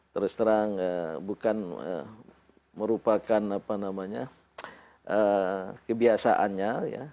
yang sebenarnya muhammadiyah terserang bukan merupakan kebiasaannya